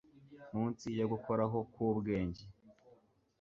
Munsi yo gukoraho kwubwenge